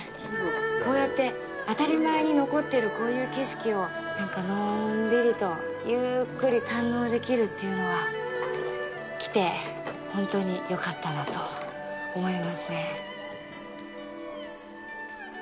こうやって、当たり前に残っているこういう景色をのんびりとゆっくり堪能できるというのは来て本当によかったなと思いますね。